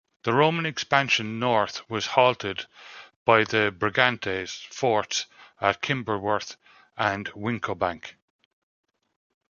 The Roman expansion north was halted by the Brigantes forts at Kimberworth and Wincobank.